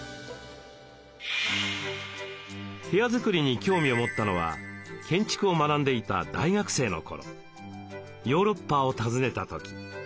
部屋作りに興味を持ったのは建築を学んでいた大学生の頃ヨーロッパを訪ねた時。